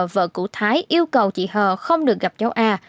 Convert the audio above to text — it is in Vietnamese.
vợ của thái yêu cầu chị hờ không được gặp cháu a